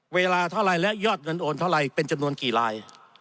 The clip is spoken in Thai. เวลาเท่าไรและยอดเงินโอนเท่าไรเป็นจำนวนกี่ลาย